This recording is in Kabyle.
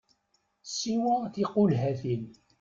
Siwa tiqulhatin!